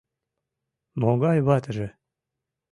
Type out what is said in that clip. Могай ватыже?